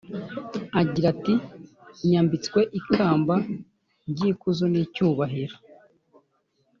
agira ati ‘yambitswe ikamba ry’ikuzo n’icyubahiro